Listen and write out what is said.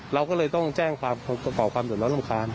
เราก็เลยต้องแจ้งความก่อความเดือดร้อนรำคาญ